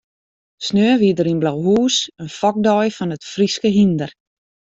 Sneon wie der yn Blauhûs in fokdei fan it Fryske hynder.